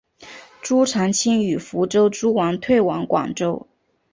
朱常清与福州诸王退往广州。